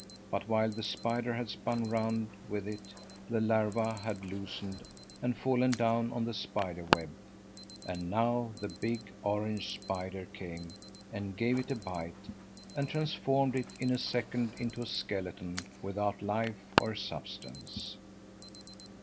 But while the spider had spun round with it, the larva had loosened and fallen down on the spider web, and now the big, orange spider came and gave it a bite and transformed it in a second into a skeleton without life or substance.